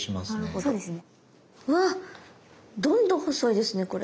どんどん細いですねこれ。